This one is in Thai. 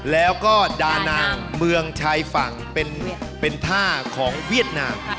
แล้วก็ดานางเมืองชายฝั่งเป็นท่าของเวียดนาม